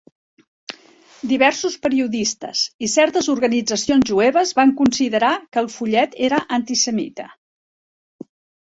Diversos periodistes i certes organitzacions jueves van considerar que el fullet era antisemita.